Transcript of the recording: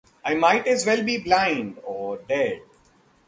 I might as well be blind — or dead.